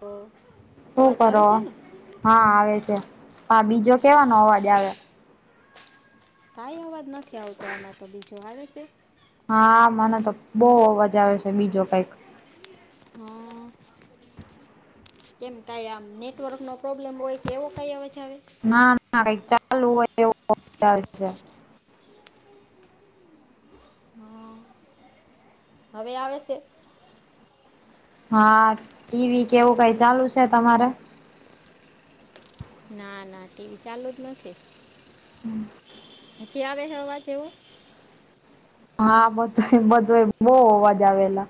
હ. શું કરો હા આવે છે હા બીજો કેવાનો અવાજ આવે. કાંઈ અવાજ નથી આવતો આમાં તો બીજો આવે છે. હા મને તો બહુ અવાજ આવે છે બીજો કંઈક. હ. કેમ કાંય આમ નેટવર્કનો પ્રોબ્લેમ હોય કે એવો કાય અવાજ આવે. ના ના કઈ ચાલુ હોય એવો અવાજ આવે છે. હ. હવે આવે સે. હા ટીવી કે એવું કાઈ ચાલુ છે તમારે. ના ના ટીવી ચાલુ જ નથી. [inaudible] હજી આવે હે અવાજ એવો. હા બધાય બધુંય બઉ અવાજ આવે એલા.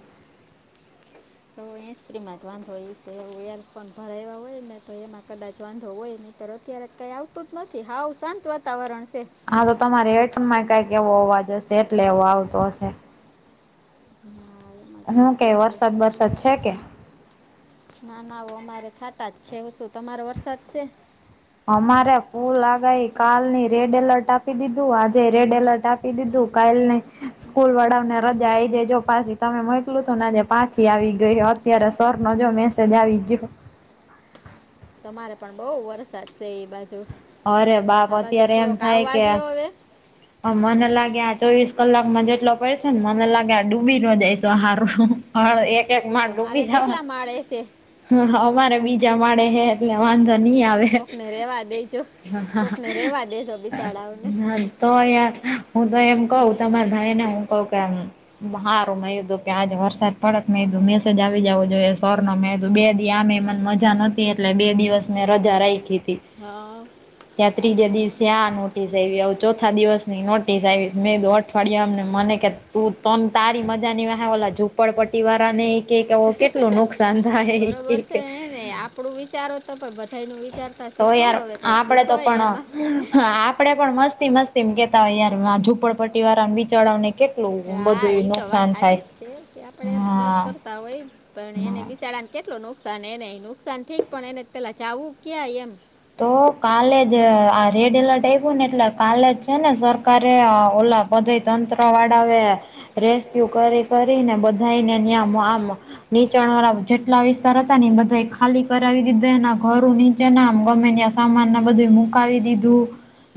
તો હેંસ્પ્રીમાં જ વાંધો હઈશે એવુ યરફોન ભરાયવા હોય ને તો એમાં કદાચ વાંધો હોય નકર અત્યારે. કાઈ આવતું જ નથી હાવ શાંત વાતાવરણ છે. હા તો તમારે હેડફોનમાં કાંઈક એવો અવાજ હશે એટલે એવો આવતો હશે. હા એમાં શું જોઈશે કે તો વરસાદ બરસાદ છે કે. ના ના અમારે છાંટા જ છે શું તમારે વરસાદ છે. અમારે ફૂલ આગાહી કાલની રેડ એલર્ટ આપી દીધું આજેય રેડ એલર્ટ આપ. પી દીધું કાલ ની સ્કૂલવાળાવને રજા આઈ જો પાછી તમે મોઈકલું તું ને આજે પાછી આવી ગઈ હોત. અત્યારે સરનો જો મેસેજ આવી ગયો. તમારે પણ બહુ વરસાદ છે ઈ બાજુ અરે બાપ આ બાજુ થોડોક આવવા દયો હવે. અમને લાગે આ ચોવીસ કલાકમાં જેટલો પડશે ને મને લાગે આ ડૂબી ન જાય તો હારુ. હા એક એક માળ તો મારે ડૂબી જવા કેટલા માળે છે અમારે બીજા માળે હે. એટલે વાંધો નહી આવે કોકને રહેવા દેજો હ હા. કોકને રહેવા દેજો બિચારાઓને તો યાર હું તો એમ કઉ તમારા ભાઈ ને હું કહ કેમ. હારું મે કીધું કે આજે વરસાદ પડત મેધું મેસેજ આવી જવું જોઈએ સર નો મેંધુ બે દી આમે મ. મજા નથી એટલે બે દિવસની મેં રજા રાયખી હતી. હમ. ત્યાં ત્રીજે દિવસે આ નોટિસ આવી આવ. ચોથા દિવસની નોટિસ આવી મેં અઠવાડિયામને મને કે તું તન તારી મજાની વા ઓલા. પડપટ્ટટી વાળા કે કેટલું નુકસાન થાય બરોબર છે એક ને આપણું વિચારો તો પણ બધાયનું વિચારતા તો શીખો યાર હવે કંઈક આપડે શીખો તો પણ એમાં હા આપડે પણ મસ્તી મસ્તી કેતા હોય યાર ઝપડપટ્ટી વાળા બચળ ને કેટ હા એ તો વાત સાચી જ છે કે આપણે વાત હા કરતા હોય. પણ એને હા બિચારડાને કેટલો નુકસાન એને નુકસાન ઠક પણ એને પેલા ચાવું ક્યાંય એમ તો કાલે જ આ રેડ એલર્ટ આવ્યું ને એટલે કાલે જ છે ને સરકારે ઓલા બધા તંત્ર વાળા એ રેસ્ક્યુ કરી કરીને બધાને ન્યામ આમ નીચાણ વાળા જેટલા વિસ્તાર હતા ને બધા ખાલી કરાવી દીધા એના ઘર નીચેના ગમે સામાન ના બધું મુકાવી દીધું.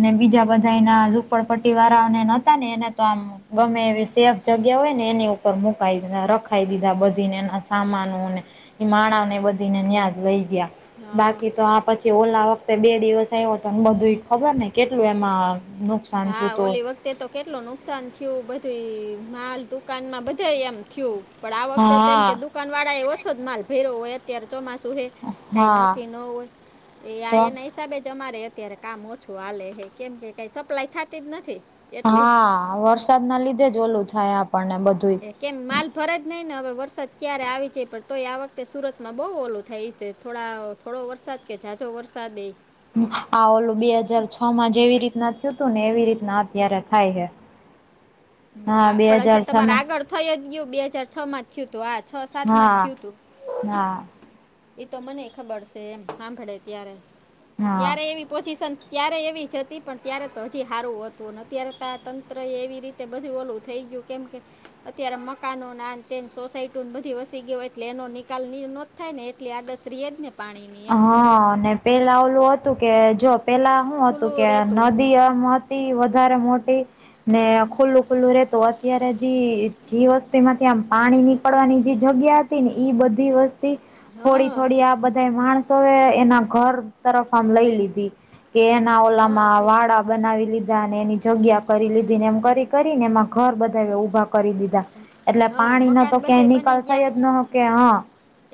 ને બીજા બધા એના ઝપડપટ્ટી વાળાને નહોતા ને એના તો આમ ગમે એવી સેફ જગ્યા હોય ને એની ઉપર મુકાઈ દીધા રખી દીધા બધીને એના સામાનોને એ માણ ને બધીને ન્યાદ લઈ ગયા હા બાકી તો આપ પછી ઓલા વખતે બે દિવસ આવ્યો તોને બધું ખબર ને કેટલું એમાં નુકાન હા ઓલી વત તે તો કેટલું નુકસાન થયું બધી માલ દુકાનમાં બધે એમ થયું. પણ આ વખતે તેમમ કે હા દુકાન વાળા એ ઓછો જ માલ ભેરો્યો હોય અત્યારે ચોમાસું હે કઈ હા નકી ન હોય એ આ એ તો ન હિસાબે જ અમારે અત્યારે કામ ઓછું આલે હ કેમ કે કઈ સપ્લાય થતી જ નથી. એટલે હા વરસાદ ના લીધે જ ઓલું થાય આપણને બધું. એ કેમ માલ ભરે જ નહીં ને હવે વરસાદ ક્યારે આવી જ પણ તો એ આ વખતે સુરતમાં બહુ ઓલું થાય છે થોડા થોડો વરસાદ કેહે જાજો વરસાદે આ ઓલું બે હાજાર છ માં જેવી રીતના થયું તું ને એવી રીતના અત્યારે થાય છે. [inaudible] હા પણ હજી છ તમારે માં આગળ થઈ જ ગયું બે હાજર છ માં થયું હતું હા છ સાત માં હા થયું તું હા એ તો મને ખબર છે એમ સાંભળે ત્યારે હા ત્યારે એવી પોઝિશન ક્યારે એવી જ હતી પણ ત્યારે તો હજી સારું હતું અત્યારે તો તંત્રએ એવી રીતે તે બધું ઓલું થઈ ગયું કેમ કે અત્યારે મકાનો ના તે સોસાયટી બધી વસી ગયો હોય એટલે એનો નિકાલ ન થાય ને એટલે આ દસરી જ ને પાણીની એમ હા અને પેલા ઓલું હતું કે જો પેલા શું હતું ખુલ્લું કે રહેતું નદી આમ વધારે મોટી ને ખુલ્લું ખુલ્લું રે તો અત્યારે જે જે વસ્તી માંથી આમ પાણી નીકળવાની જે જગ્યા બધી વસ્તી થોડી હા થોડી આ બ માણસો એ એના ઘર તરફ આમ લઈ લીધી કે એના હા ઓલામાં છે વાડા બનાવી લીધા અને એની જગ્યા કરી લીધી એમ કરી કરીને એમાં ઘર બધા ઉઊભા કરી દીધા એટલે હા પાણી ન મકાન તો ક્યાય બધે નિકાલ બની ગયા થઈ જ ન કે હા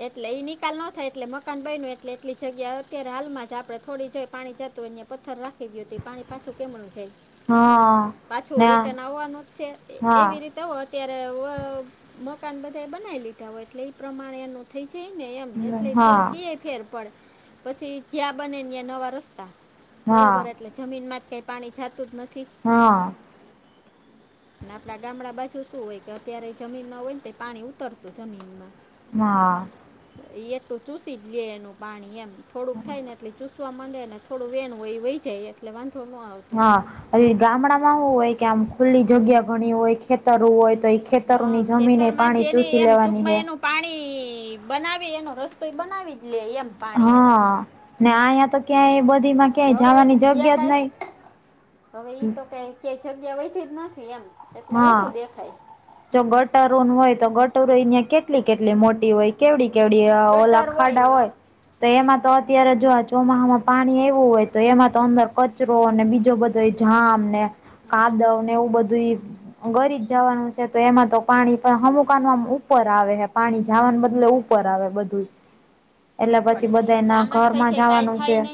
એટલે ઈ નિકાલ ન થાય એટલે મકાન બન ન એટલે એટલી જગ્યા અત્યારે હાલમાં જ આપડે થોડી જોઈ પાણી જતું. પથ્થર રાખી દી હતી પાણી પાછું કેમું છેાય હા પાછોરી ના ટનાવવાનું જ છે એવી હા રીતે અત્યારે મકાન બધા બનાવી લીધા હોય એટલે એ પ્રમાણે એનું થઈ જાય ને એમ હા એટલે થોડોક હા એ ફેર પડે પછી જ્યાં બનેને નવા રસ્તા હા બરાબર એટલે જમીનમાં જ કાંઈ પાણી જાતું જ નથી હ. ના આપડા ગામડા બા જો શું હોય કે અત્યારે જમીનના હોય ને તો પાણી ઉતરતું જમીનમાં મા. એટલું ચુસી જ લે એનું પાણી એમ થોડુંક થાય ને એટલી ચુ સવા મડે ને થોડું વેણું એ વહી જાય એટલે વાંધો ન આવે હા ગામડામાં હુ હોય કે આમ ખુલ્લી જગ્યા ઘણી હોય ખેતર હોય તો હા ખેતરોની જમીને ખેતરમાંથી પાણી એને ચૂસી એમ લેવાની ટૂંકમાં હૈ એનું પાણી બનાવી એનો રસ્તોય બનાવી જ લે એમ હ પાણી એનો ને આંયા તો ક્યાં એ બધી માં હવે જ્યા કાઈ હવે ઈ તો કઈ જે જગ્યા વહીથી જ નથી એમ એટલે હા વધુ દેખાય જો ગટારોનુ હોય તો ગટારું અહિયાં કેટલી કેટલી મોટી હોય કેવડી કેવડી ઓલા ગટર ખાડા હોય હં તો એમાં તો અત્યારે જો આ ચોમાહામાં પાણી આયવું હોય તો એમાં તો અંદર કચરો ને બીજો બ ધો એ જામ ને હા કાદવ ને એવું બધું ઈ ગરી જ જાવાનું છે, તો એમાં તો પાણી અમુકાન ઉપર આવે હે પાણી જવાને બદલે ઉ પર આવે બધું એટલે પછી પણ એ બધાના જામ જ થઈ ઘરમાં છે, કાઈ જવાનું થાય છે નય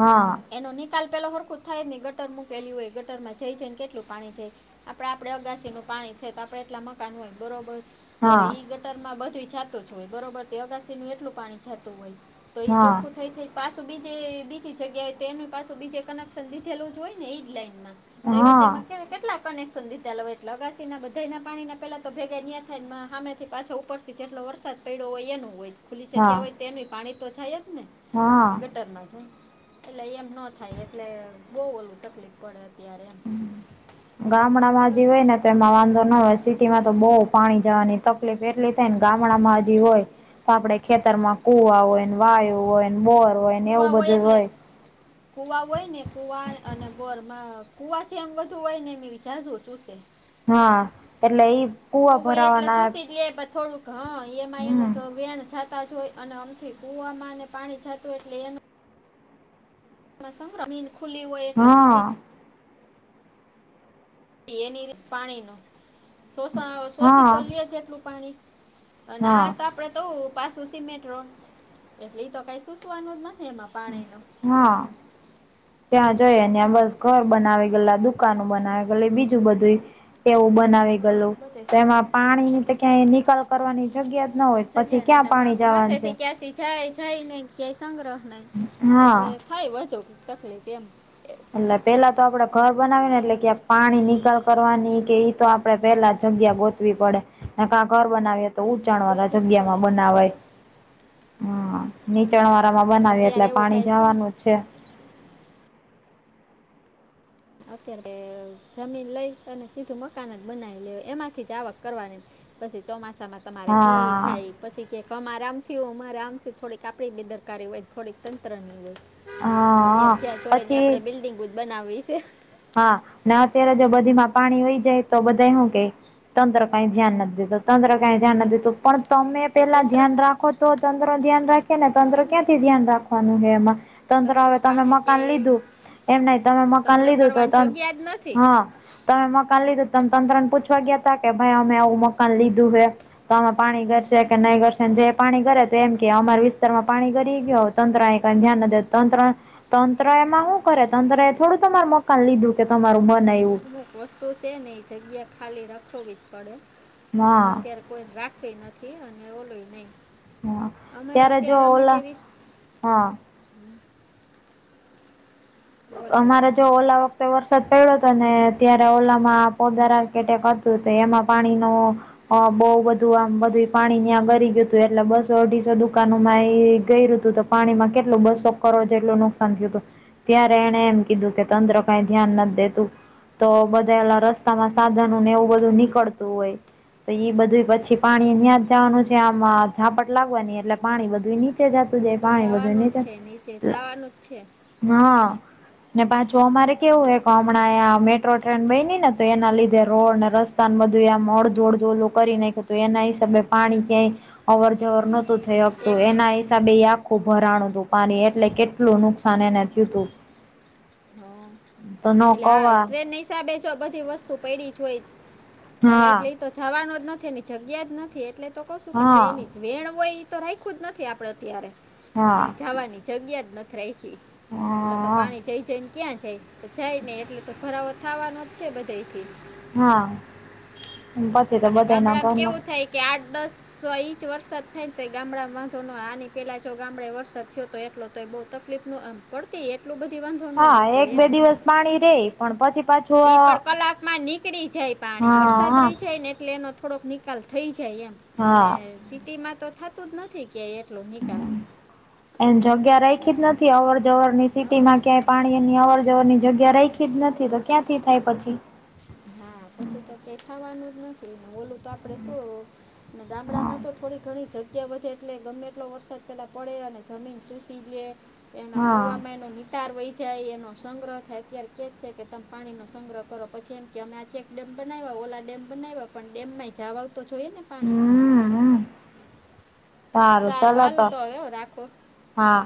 હા એનો નિકાલ પહેલો વરખું જ થાય જ નહી ગટર મૂકેલી હોય ગટરમાં જઈ જઈ ને કેટલું પાણી જાય? આપડે આપડે અગાસીનું પાણી છે, તો આપડે એટલા મકાન હોય બરોબર તો હા ઈ ગટરમાં બધું જાતું જ હોય બરોબર તે અગાસી નું એટલું પાણી જાતું હોય તો ઈ હા ચોખ્ખું થઈ થઈ પાછું બીજે બીજી જગ્યાએ તેનું પાછું બીજે કનેક્શન લીધેલું જ હોય ને ઈ જ લાઈનમાં તેવા હા તેમા કે કેટલા કનેક્શન લીધાલા હોય એટલે અગાસીના બધાયના પાણીના પેલા તો ભેગા નીયા થાય હામે થી પાછો ઉપરથી જેટલો વરસાદ પડ્યો હોય એનું હોય ખુલ્લી હા જગ્યા હોય તેનું પાણી તો થાય જ ને હા. ગટરમાં છે, એટલે એમ ન થાય એટલે બો ઓલું તકલીફ પડે અત્યારે એમ ગામડામાં પણ જે હોય ને તેમાં વાંધો ન હોય સિટીમાં તો બો પાણી જવાની તકલીફ એટલી થાય ને ગામડામાં હજી હોય તો આપડે ખેતરમાં કુવા હોય ને વાયુ હોય બોર હોય. ને એવું કુવાઓ બધું એકલે હોય કૂવા હોય ને કૂવા અને બોરમાં કૂવા જેમ વધું હોય ને એ વિચા [unintelligible] હા એટલે ઈ કુવા [unintelligible] એટલે ભરાવાના ચૂસી જ લે પણ થોડુંક હ એમાં એનું હમ તો વેણ થ તા જ હોય અને અમથી કુવામાં અને પાણી જાતું એટલે એ [unintelligible] જમીન ખુલી હોય એટલે જમી હા એની રી પાણી ન શોષણ શોષિત હા તો લેજ એટલું પાણી અને હા આ તા આપણે તો પાછું સિમેન્ટ રોડ એટલે એ તો કાય સુસવાનું જ નથી એમાં પાણી ન હ. ત્યાં જય અને બસ ઘર બનાવી ગેલા દુકાનો બનાવી ગેલી બીજું બધું એવું બનાવી હા ગલું બધે તો એમાં પાણીની તો એટલે ક્યાંય કાંઈ નિકાલ કરવાની જગ્યા ના હોય પછી જગ્યા ન ક્યાં મા પાણી માથે જવાનું છે થી ક્યાંસી જાય જાય નહી ક્યાંય સંગ્રહ નહી એટલે હા થાય વધુ તકલીફ એમ એટલે પેલા તો આપડે ઘર બનાવી્યુંને એટલે કે પાણી નિકાલ કરવાની કે તો આપડે પેલા જગ્યા બો વી પડે ને ક ઘર બનાવી તો ચાણ વાળા ઉતરી જ જગ્યામાં પડે બનાવાય હમ્મ નીચાણ વાળા માં પણ બનાવી અત્યારે એટલે એવું પાણી કાંઈ ને જવાનું જ છે. અત્યારે જમીન લઈ અને સીધું મકાન જ બનાવી લે એમાંથી જ આવક કરવાની પછી ચોમાસામાં તમારે જે હા થાય પછી કક અમારે આમ થયું અમારે આમ થય થોડીક આપડી બેદરકારી હોય થોડીક તંત્ર ની હોય. અત્યારે હા ત્યાં જોય ને પછી આપડણે બિલ્ડિંગ બુ જ બનાવવી છે. હા ના અત્યારે જો બધીમાં પાણી હોય, જાય તો બધા શું કે તંત્ર કઈ ધ્યા નથી દેતો ત્ર ક ધ્યાના દેુ પણ તમે તો પેલા તંત્ર ધ્યાન રાખો તો તંત્ર ન ધ્યાન રાખે ને તંત્ર હં, ક્યા ધ્યાન રાખવાનું હ એમાં તત્ર તંત્ર હવે તમે પાસે કે મકાન લીધું એમ ન તમે મકાન સંગ્રહ લીધુ ત કરવાની જગ્યા જ નથી હા તમે મકાન લીધું તમે તંત્ર ને પૂછવા ગયા તા કે ભાઈ અમે આવું મકાન લીધું હ તો અમે પાણી ઘરશે કે નહી ગરશે જે પાણી ઘરે તો એમ કે અમારા વિસ્તારમાં પાણી ગરી ગય તંત્ર એ ક ધ્યાન ન દે તંત્ર તંત્ર એમાં શું કરે તત્ર એ થોડું તમાર મકાન લીધું કે તમારું બનાવુ અમુક વસ્તુ છે ને એ જગ્યા ખાલી રાખવી જ પડે પણ હા અત્યારે કોઈ રાખે નથી અને ઓલોય નહી હા ત્યારે જો ઓલા વિસ હા બોલ હવે અમારા જો ઓલા વરસાદ પડ્યો હતો ને ત્યારે ઓલામાં પોદાર આકેટેક હતુ તો એમાં પાણીનો હ બઉુ બધું આમ બધું પાણીની ગરી ગયુ હતુ એટલે બસો અઢીસો દુકાનોમાં એ ગયુ હતુ, ત પાણીમાં કેટલું બસો કરોડ જેટલું નુકસાન થયું હતુ ત્યારે એણે એમ કીધું કે તંત્ર કઈ ધ્યાન નથી દેતુ તો બધાયલા રસ્તામાં સાધનો ને એવું બધું નીકળતું હોય. તો ઈ બધું પછી પાણી ન્યાં જવાનું છે આમાં ઝાપટ લાગવાની એટલે પાણી બધું ની ચે જતું એ જાય તો પાણી બધું જવાનું જ ને છે નીચે જવાનું જ છે. હા ને પાછું અમારે કેવું હો કે હમણાંં મેટ્રો ટ્રેન બનીની ને તો એના લીધે રોડને રસ્તા બધું મોડ ધોડ ધોલું કરી નાખ એના હિસાબે પાણી ક્યાંય અવર જવર નહોતું થઈ એક શકતું એના હિસાબે આખું ભરાણું હતું પાણી એટલે કેટલું નુકસાન એને યુતોબ હં. એટલે હા એ ટ્રેન નહીિસાબ બધી વસ્તુ પેડી જો હોઈ અને હા એટલે તો જવાનો જ નથી જગ્યા જ નથી એટલે તો કહશું કે જે હા એની વેણ હોય એ તો રાખું જ નથી આપણે અત્યારે હા એની જવાની જગ્યા જ નથી રાખી એટલે તો હા પાણી જઈ જઈને ક્યાં જાય. જાય ને એટલે તો ભરાવો થવાનો જ છે બધા થી હા પછી તો અને બધા ન કર ગામડામાં કેવું થાય કે આઠ દસ સો ઇંચ વરસાદ થાય ને તો ગામડા વાંધો ન આની પેલા જો ગામડાે વરસાદ થયો તો એટલો તો એ બહુ તકલીફ નમ પડતી એટલું બધી વાંધો ન હા આવતો એક બે એમ દિવસ પાણી રે પણ પછી પાછુ ઈ પણ કલાક માં નીકળી જાય પાણી હા વરસાદ હા રહી જાય ને એટલે એનો થોડોક નીળ આકાલ થઈ જાય એમ અને હા સિટીમાં તો થતું જ નથી. જગ્યા એટલો નિકાલ એમ જગ્યા રાયખી જ અવર જવર ની હા સિટીમાં ક્યાંય પાણીની અવર જવરની જગ્યા રખી જ નથી તો ક્યાંથી થાય પછી. હા પછી તો તે ખાવાનું જ નથી ને ઓોલું તો આપડે શુ અને ગામડામાં તો થોડી ઘણી જગ્યા વધે એટલે ગમે એટલો વરસાદ પહેલાં પડે અને જમીન [unintelligible] એના હા કુવામાં એનો તાર વહી જાય એનો સંગ્રહ થાય ત્યાર કે જ છે કે તમે પાણીનો સંગ્રહ કરો પછી એ કે અમે આ ચેક ડેમ બનાવ્યા ઓલા ડેમ બનાવ્યા પણ ડેમ માં જવા આવતો જોઈયએ ને પાણી હમ હમ સારું ચાલો હાલ તો હવે હો, રાખો હા